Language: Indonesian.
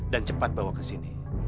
dan cepat bawa ke sini